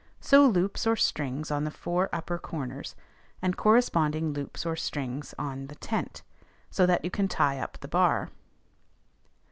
Sew loops or strings on the four upper corners, and corresponding loops or strings on the tent, so that you can tie up the bar.